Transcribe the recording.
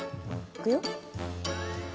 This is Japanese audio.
いくよ。